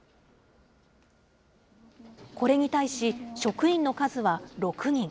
これに対し、職員の数は６人。